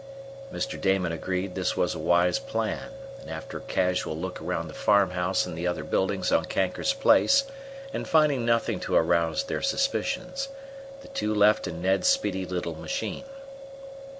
Mr. Damon agreed that this was a wise plan, and, after a casual look around the farmhouse and other buildings on Kanker's place and finding nothing to arouse their suspicions, the two left in Ned's speedy little machine.